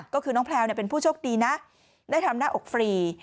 ก็คือน้องแพลวเป็นผู้โชคดีนะได้ทำหน้าอกฟรี